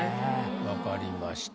分かりました。